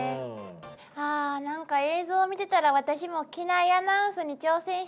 あなんか映像を見てたら私も機内アナウンスに挑戦してみたくなったわ。